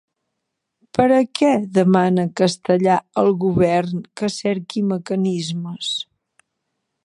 Per a què demana Castellà al govern que cerqui mecanismes?